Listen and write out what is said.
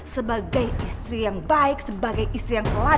sebagai istri yang baik sebagai istri yang selamat